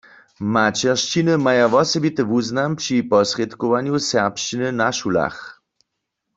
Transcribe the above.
Maćeršćiny maja wosebity wuznam při posrědkowanju serbšćiny na šulach.